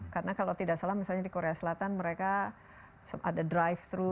karena kalau tidak salah misalnya di korea selatan mereka ada drive thru